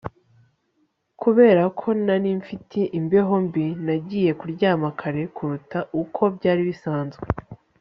kubera ko nari mfite imbeho mbi, nagiye kuryama kare kuruta uko byari bisanzwe